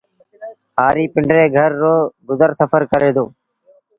هآريٚ پندري گھر رو گزر سڦر ڪري دو